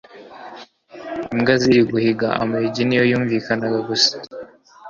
imbwa ziri guhiga amayugi niyo yumvikanaga gusa